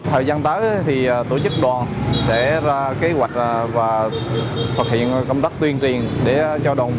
hay trong vài giờ